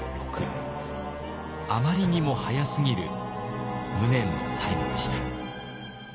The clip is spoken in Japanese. あまりにも早すぎる無念の最期でした。